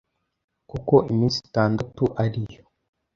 kuko iminsi itandatu ari yo